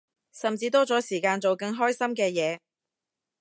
甚至多咗時間做更開心嘅嘢